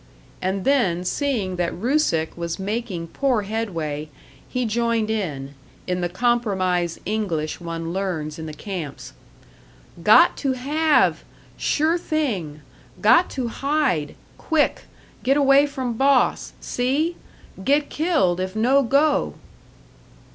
And then, seeing that Rusick was making poor headway, he joined in, in the compromise English one learns in the camps. "Got to have! Sure thing! Got to hide! Quick! Get away from boss! See? Get killed if no go!"